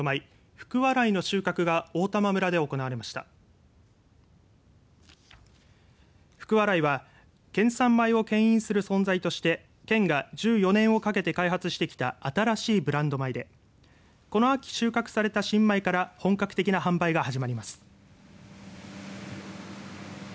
福、笑いは県産米をけん引する存在として県が１４年をかけて開発してきた新しいブランド米でこの秋、収穫された新米から本格的な販売が始まります。